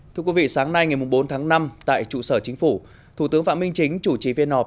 thưa quý vị sáng nay ngày bốn tháng năm tại trụ sở chính phủ thủ tướng phạm minh chính chủ trì phiên họp